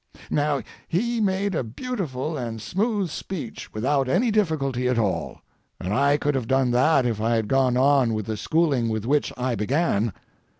Now, he made a beautiful and smooth speech without any difficulty at all, and I could have done that if I had gone on with the schooling with which I began.